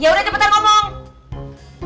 ya udah cepetan ngomong